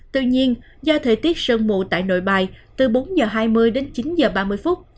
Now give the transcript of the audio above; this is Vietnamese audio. tuy nhiên do thời tiết sơn mù tại nội bài từ bốn h hai mươi đến chín h ba mươi phút